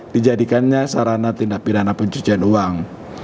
dijadikannya sarana tindak pidana pencucian uang